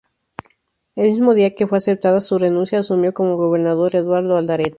El mismo día que fue aceptada su renuncia, asumió como gobernador Eduardo Alderete.